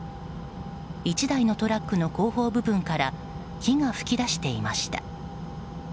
１台のトラックの後方部分から火が噴き出していました。